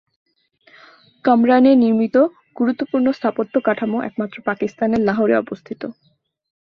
কামরান এর নির্মিত গুরুত্বপূর্ণ স্থাপত্য কাঠামো একমাত্র পাকিস্তানের লাহোর অবস্থিত।